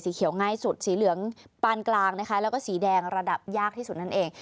เขียวง่ายสุดสีเหลืองปานกลางนะคะแล้วก็สีแดงระดับยากที่สุดนั่นเอง